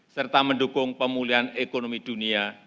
serta mendukung pemulihan ekonomi dunia